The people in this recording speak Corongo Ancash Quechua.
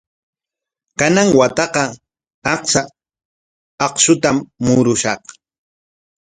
Kanan wataqa achka akshutam murushaq.